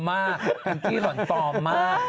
แอนกจี้คือนปอมมาก